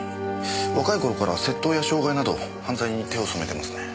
若い頃から窃盗や傷害など犯罪に手を染めてますね。